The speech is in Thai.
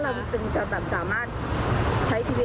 ขอบคุณคนเฮี่ยงแางให้กำลังใจมิงอยู่